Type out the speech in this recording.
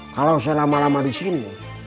kalau saya lama lama disini